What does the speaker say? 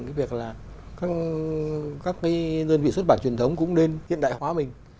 cái việc là các cái đơn vị xuất bản truyền thống cũng nên hiện đại hóa mình